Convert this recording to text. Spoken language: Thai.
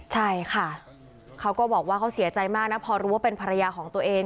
ใช่ค่ะเขาก็บอกว่าเขาเสียใจมากนะพอรู้ว่าเป็นภรรยาของตัวเอง